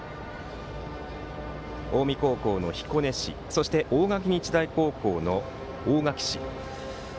近江高校の彦根市そして、大垣日大高校の大垣市。